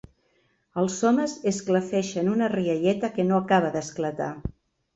Els homes esclafeixen una rialleta que no acaba d'esclatar.